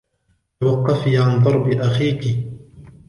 توقفي عن ضرب أخيكِ.